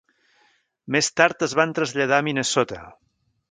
Més tard es van traslladar a Minnesota.